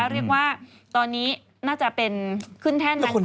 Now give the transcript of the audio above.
เรียกว่าตอนนี้น่าจะเป็นขึ้นแท่นนะคะ